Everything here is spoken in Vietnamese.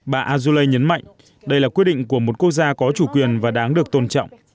bà azuele nhấn mạnh đây là quyết định của một quốc gia có chủ quyền và đáng được tôn trọng